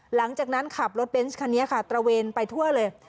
หลังจากนั้นขับรถเบนส์คันนี้ค่ะตระเวนไปทั่วเลย